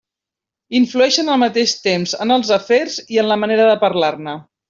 Influeixen al mateix temps en els afers i en la manera de parlar-ne.